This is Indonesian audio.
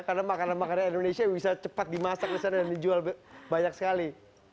karena makanan makanan indonesia bisa cepat dimasak di sana dan dijual banyak sekali